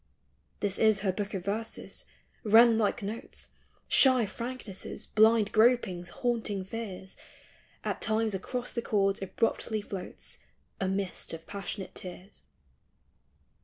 This is her Book of Verses — wren like notes, Shy franknesses, blind gropings, haunting fears; At times across the chords abruptly floats A mist of passionate tears.